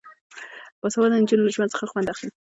باسواده نجونې له ژوند څخه خوند اخلي.